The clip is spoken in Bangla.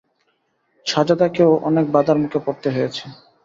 সাজেদাকেও অনেক বাধার মুখে পড়তে হয়েছে।